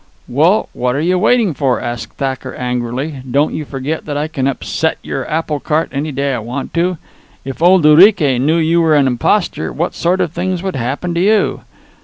"Well, what are you waiting for?" asked Thacker, angrily. "Don't you forget that I can upset your apple cart any day I want to. If old Urique knew you were an imposter, what sort of things would happen to you?